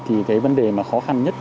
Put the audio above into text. thì cái vấn đề khó khăn nhất